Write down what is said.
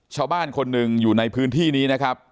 ชาวบ้านคนหนึ่งอยู่ในพื้นที่นี้นะครับ